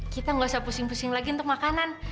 kita nggak usah pusing pusing lagi untuk makanan